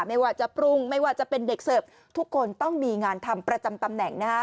ไม่ว่าจะปรุงไม่ว่าจะเป็นเด็กเสิร์ฟทุกคนต้องมีงานทำประจำตำแหน่งนะฮะ